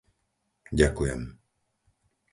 Ďakujem.